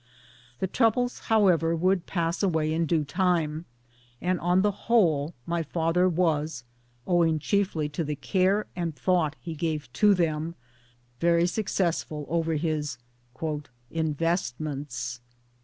The troubles, however, would pass away in due time, and on the whole my father was (owing chiefly to the care and thought he gave to them) very successful over his " investments."